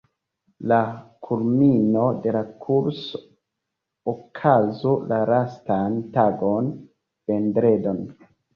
La kulmino de la kurso okazu la lastan tagon, vendredon.